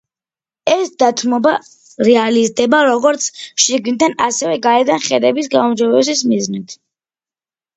ეს დათმობა რეალიზდება როგორც შიგნიდან ასევე გარედან ხედების გაუმჯობესების მიზნით.